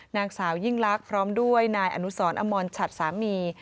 นางสาวยิ่งลักษณ์พร้อมด้วยนายอนุสรอมรชัดสามี